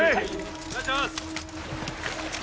お願いします！